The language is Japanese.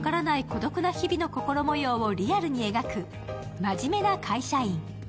孤独な日々の心模様をリアルに描く「まじめな会社員」。